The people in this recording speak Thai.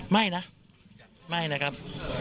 ไม่นะไม่นะครับ